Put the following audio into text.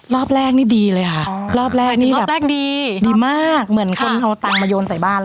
รอบแรกนี่ดีเลยค่ะรอบแรกนี่แบบแรกดีดีมากเหมือนคนเอาตังค์มาโยนใส่บ้านเลย